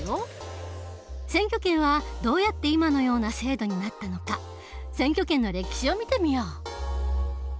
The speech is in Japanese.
選挙権はどうやって今のような制度になったのか選挙権の歴史を見てみよう。